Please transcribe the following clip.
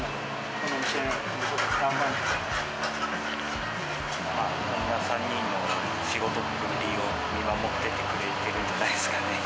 こんな３人の仕事っぷりを見守っててくれてるんじゃないですかね。